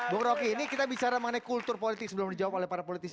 bung roky ini kita bicara mengenai kultur politik sebelum dijawab oleh para politisi